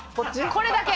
これだけ！